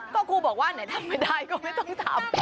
ก็ครูบอกว่าไหนทำไม่ได้ก็ไม่ต้องทำ